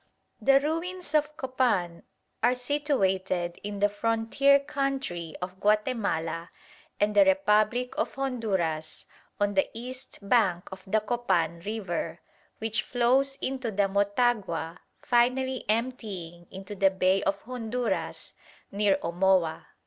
The ruins of Copan are situated in the frontier country of Guatemala and the Republic of Honduras on the east bank of the Copan River, which flows into the Motagua, finally emptying into the Bay of Honduras near Omoa.